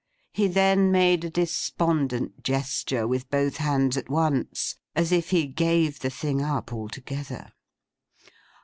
He then made a despondent gesture with both hands at once, as if he gave the thing up altogether.